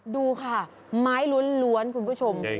ดูค่ะไม้ล้วนคุณผู้ชม